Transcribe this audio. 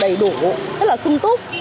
đầy đủ rất là sung túc